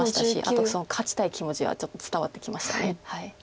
あと勝ちたい気持ちがちょっと伝わってきました。